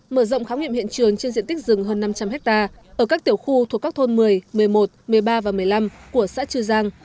mở rộng khám nghiệm hiện trường trên diện tích rừng hơn năm trăm linh hectare ở các tiểu khu thuộc các thôn một mươi một mươi một một mươi ba và một mươi năm của xã chư giang